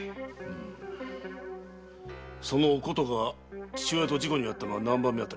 そのお琴が父親と事故にあったのは何番目あたりだ？